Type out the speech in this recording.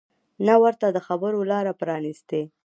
نه ورته د خبرو لاره پرانیستې